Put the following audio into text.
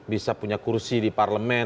bisa punya kursi di parlemen